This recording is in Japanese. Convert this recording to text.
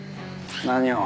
何を？